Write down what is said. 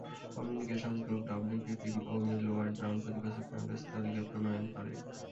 Communications group WPP ও Millward Brown প্রতিবছর BrandZ তালিকা প্রণয়ন করে।